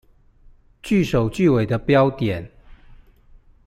句首句尾的標點